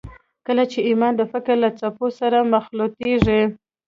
کله چې ایمان د فکر له څپو سره مخلوطېږي